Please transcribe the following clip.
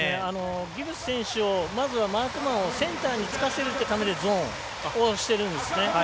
ギブス選手をまずはマークマンをセンターにつかせるためゾーンをしてるんです。